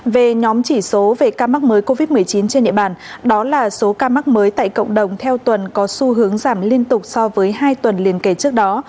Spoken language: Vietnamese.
về nhóm chỉ số về ca mắc mới covid một mươi chín trên địa bàn đó là số ca mắc mới tại cộng đồng theo tuần có xu hướng giảm liên tục so với hai tuần liên kể trước đó